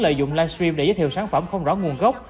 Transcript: lợi dụng live stream để giới thiệu sản phẩm không rõ nguồn gốc